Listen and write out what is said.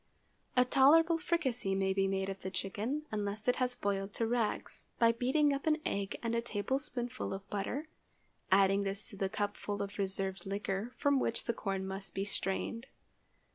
A tolerable fricassee may be made of the chicken, unless it has boiled to rags, by beating up an egg and a tablespoonful of butter, adding this to the cupful of reserved liquor from which the corn must be strained.